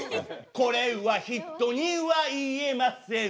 これは人には言えません